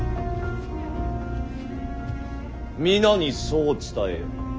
皆にそう伝えよ。